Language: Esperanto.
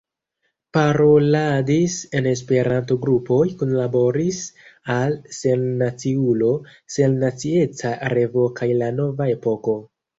Paroladis en Esperanto-grupoj, kunlaboris al Sennaciulo, Sennacieca Revuo kaj La Nova Epoko.